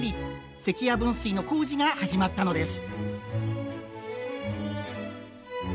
関屋分水の工事が始まったのです。